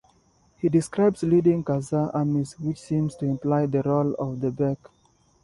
He describes leading Khazar armies which seems to imply the role of the Bek.